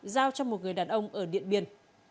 giao cho một người đàn ông ở điện biên